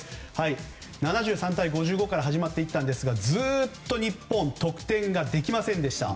７３対５５から始まったんですがずっと日本は得点ができませんでした。